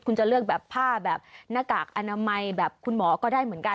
คุณจะเลือกแบบผ้าแบบหน้ากากอนามัยแบบคุณหมอก็ได้เหมือนกัน